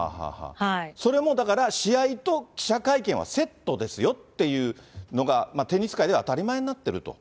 それもう、試合と記者会見はセットですよっていうのが、テニス界では当たり前になっていると。